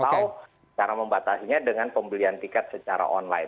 atau cara membatasinya dengan pembelian tiket secara online